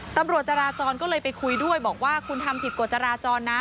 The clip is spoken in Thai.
ตำรวจจราจรก็เลยไปคุยด้วยบอกว่าคุณทำผิดกฎจราจรนะ